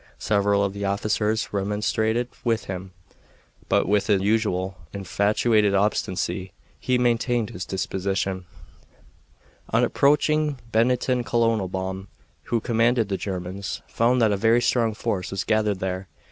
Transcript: Several of the officers remonstrated with him, but with his usual infatuated obstinacy he maintained his disposition. On approaching Bennington Colonel Baum, who commanded the Germans, found that a very strong force was gathered there.